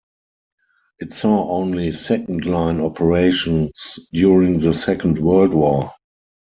It saw only second-line operations during the Second World War.